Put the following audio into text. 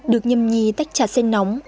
được nhâm nhì tách trà sen nóng